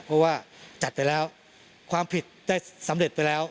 เพราะว่าจัดไปแล้วความผิดได้สำเร็จไปแล้ว